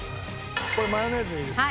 これマヨネーズでいいですか？